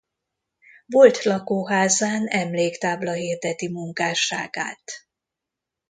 Volt lakóházán emléktábla hirdeti munkásságát.